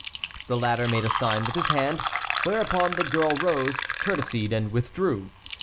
The latter made a sign with his hand, whereupon the girl rose, courtesied, and withdrew.